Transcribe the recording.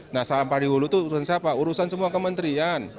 nah sampah di hulu itu urusan siapa urusan semua kementerian